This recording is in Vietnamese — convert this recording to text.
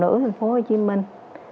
phụ nữ thành phố hồ chí minh